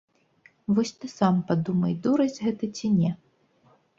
Вось ты сам падумай, дурасць гэта ці не?